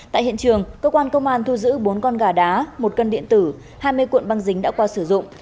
tại hiện trường cơ quan công an thu giữ bốn con gà đá một cân điện tử hai mươi cuộn băng dính đã qua sử dụng